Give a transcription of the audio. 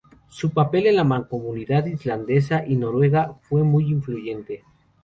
Su papel en la Mancomunidad Islandesa y Noruega fue muy influyente.